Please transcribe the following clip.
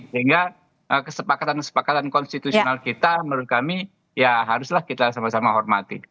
sehingga kesepakatan kesepakatan konstitusional kita menurut kami ya haruslah kita sama sama hormati